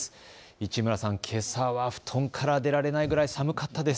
市村さん、けさは布団から出られないくらい寒かったです。